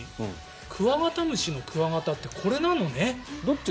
クワガタムシのクワガタってこれなのね。